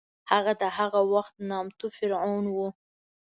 هغه د هغه وخت نامتو فرعون و.